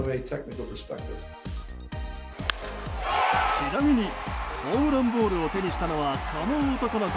ちなみにホームランボールを手にしたのはこの男の子。